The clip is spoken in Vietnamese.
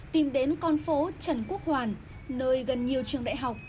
tìm đến con phố trần quốc hoàn nơi gần nhiều trường đại học